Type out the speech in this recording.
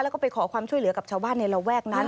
แล้วก็ไปขอความช่วยเหลือกับชาวบ้านในระแวกนั้น